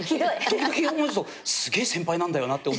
時々すげえ先輩なんだよなって。